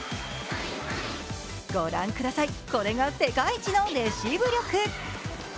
ご覧ください、これが世界一のレシーブ力。